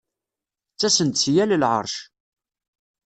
Ttasen-d si yal lɛeṛc.